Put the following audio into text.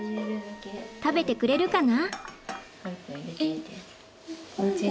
食べてくれるかな？